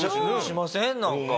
しません？